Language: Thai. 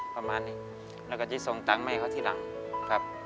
ประมาณนี้แล้วก็จะส่งตังค์แม่เขาทีหลังครับ